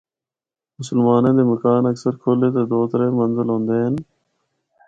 مسلماناں دے مکان اکثر کھلے تے دو ترے منزل ہوندے ہن۔